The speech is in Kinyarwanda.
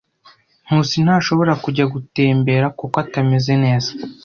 Nkusi ntashobora kujya gutembera kuko atameze neza.